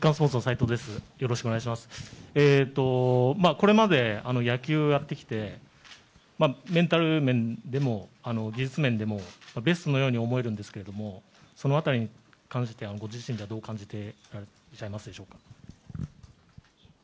これまで野球をやってきてメンタル面でも技術面でもベストのように思えるんですけども、その辺りに関してはご自身ではどう感じていらっしゃいますか？